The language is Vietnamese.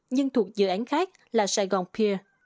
nhưng thuộc dự án khác là sài gòn pier